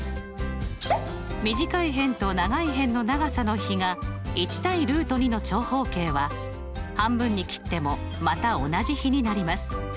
短い辺と長い辺の長さの比が１対の長方形は半分に切ってもまた同じ比になります。